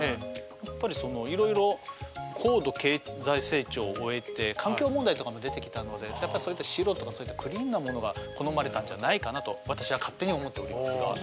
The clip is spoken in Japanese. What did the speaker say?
やっぱりいろいろ高度経済成長を終えて環境問題とかも出てきたのでやっぱりそういった白とかクリーンなものが好まれたんじゃないかなと私は勝手に思っておりますが。